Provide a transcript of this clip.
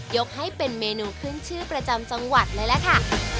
ยกให้เป็นเมนูขึ้นชื่อประจำจังหวัดเลยล่ะค่ะ